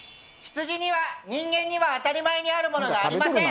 羊には人間には当たり前にあるものがありません。